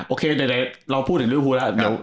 โอเคไหนเราพูดถึงริวภูแล้ว